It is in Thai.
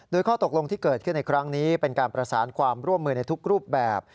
โดยข้อตกลงที่เกิดขึ้นในครั้งนี้เป็นการประสานความร่วมมือในทุกรูปแบบ